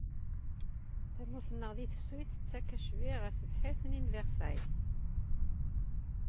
Tamurt-nneɣ di tefsut tettak acbi ɣer tebḥirt-nni n Virṣay.